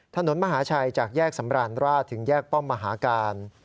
ถนนมหาชัยจากแยกสำราญราชถึงแยกป้อมมหาการ